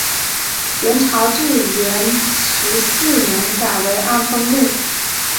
元朝至元十四年改为安丰路。